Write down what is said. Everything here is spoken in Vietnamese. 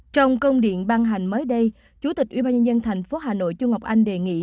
trong công điện ban hành mới đây chủ tịch ubnd tp hà nội chu ngọc anh đề nghị